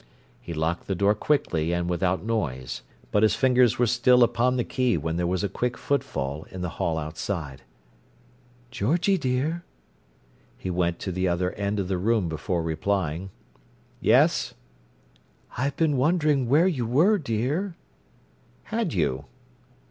He locked the door quickly and without noise, but his fingers were still upon the key when there was a quick footfall in the hall outside. "Georgie, dear?" He went to the other end of the room before replying. "Yes?" "I'd been wondering where you were, dear." "Had you?"